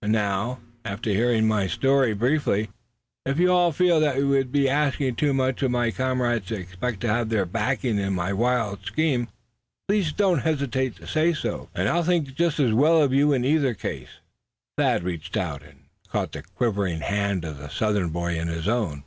And now, after hearing my story briefly, if you all feel that it would be asking too much of my comrades to expect to have their backing in my wildcat scheme, please don't hesitate to say so, suh. I'll think just as well of you in either case." Thad reached out, and caught the quivering hand of the Southern boy in his own.